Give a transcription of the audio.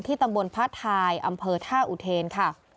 ตำบลพระทายอำเภอท่าอุเทนค่ะ